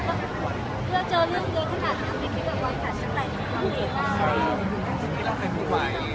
ใครจะไม่ได้ให้แกล้งไฟ